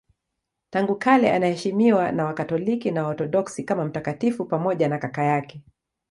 Tangu kale anaheshimiwa na Wakatoliki na Waorthodoksi kama mtakatifu pamoja na kaka yake.